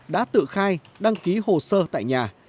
đã tự khai đăng ký hồ sơ tại nhà